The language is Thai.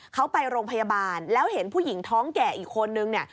เขาไปโรงพยาบาลแล้วเห็นผู้หญิงท้องแก่อีกคนนึงเนี่ย